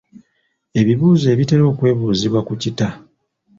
Ebibuuzo ebitera okubuuzibwa ku kita.